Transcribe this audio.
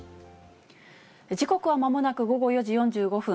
時刻はまもなく午後４時４５分。